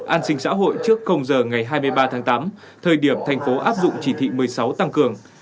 an sinh xã hội trước giờ ngày hai mươi ba tháng tám thời điểm thành phố áp dụng chỉ thị một mươi sáu tăng cường